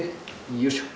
よいしょ！